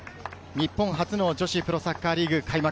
日本初の女子プロサッカーリーグ開幕。